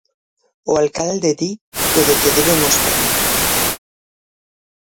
O alcalde di que o decidiron os técnicos.